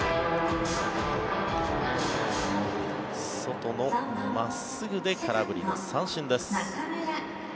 外の真っすぐで空振りの三振です。